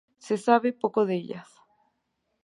Se sabe poco de ellas.